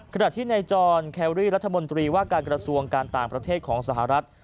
ขณะที่ในจอนแครรี่รัฐมนตรีว่าการกระทรวงการต่างประเทศของสหรัฐ